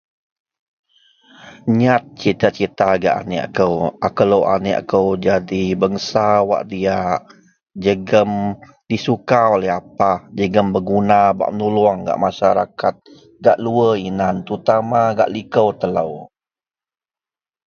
nyat cita-cita gak aneak kou, akou lok aneak kou jadi bangsa wak diak jegum disuka oleh apah, jegum berguna bak menulung masyarakat gak luar inan terutama gak liko telou